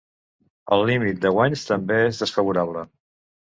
El límit de guanys també és desfavorable.